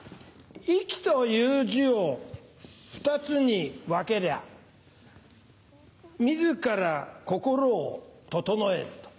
息という字を２つに分けりゃ自ら心を整えると。